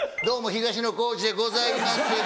「どうも東野幸治でございます。